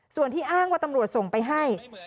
ส่วนที่อ้างว่าตำรวจส่งไปให้